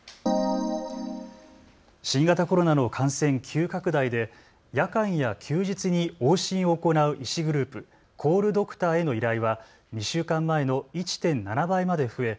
新型コロナの感染急拡大で夜間や休日に往診を行う医師グループ、コールドクターへの依頼は２週間前の１．７倍まで増え